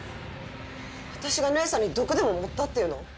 私が姉さんに毒でも盛ったっていうの？